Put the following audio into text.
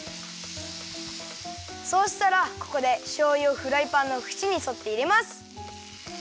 そうしたらここでしょうゆをフライパンのふちにそっていれます。